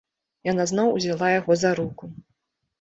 Яна зноў узяла яго за руку.